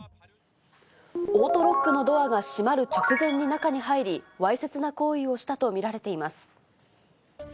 オートロックのドアが閉まる直前に中に入り、わいせつな行為をしたと見られています。